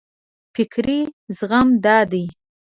فکري زغم دا دی.